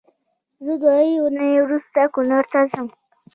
زه دوې اونۍ روسته کونړ ته ځم